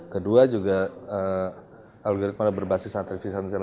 kedua juga algoritma berbasis artificial intelligence itu butuh waktu juga